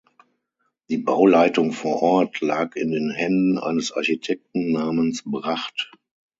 Die Bauleitung vor Ort lag in den Händen eines Architekten namens Bracht.